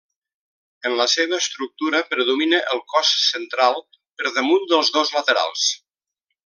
En la seva estructura predomina el cos central per damunt dels dos laterals.